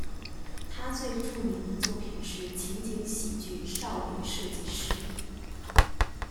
他最著名的作品是情景喜剧少女设计师。